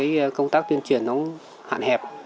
vì công tác tuyên truyền nó hạn hẹp